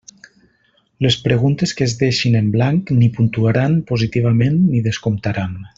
Les preguntes que es deixin en blanc ni puntuaran positivament ni descomptaran.